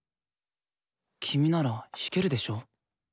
君なら弾けるでしょ。